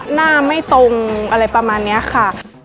หน้าไม่ตรงอะไรประมาณนี้ค่ะ